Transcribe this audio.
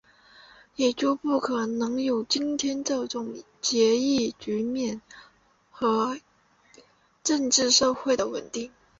也就不可能有今天这样的治疫局面和政治社会的稳定